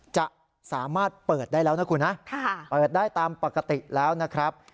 จะสามารถเปิดได้แล้วนะคุณนะเปิดได้ตามปกติแล้วนะครับ